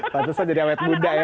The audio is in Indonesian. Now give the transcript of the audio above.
pas itu saya jadi awet muda ya